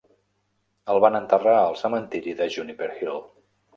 El van enterrar al cementiri de Juniper Hill.